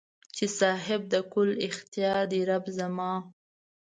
چې صاحب د کل اختیار دې رب زما